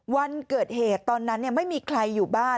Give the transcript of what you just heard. วันเกิดเหตุตอนนั้นไม่มีใครอยู่บ้าน